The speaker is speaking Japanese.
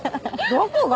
どこが？